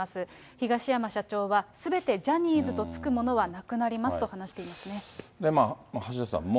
東山社長は、すべてジャニーズと付くものはなくなりますと話して橋田さんも。